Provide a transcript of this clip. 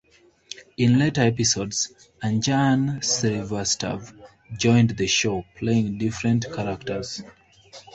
In later episodes, Anjan Srivastav joined the show, playing different characters.